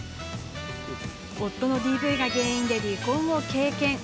夫のＤＶが原因で離婚を経験。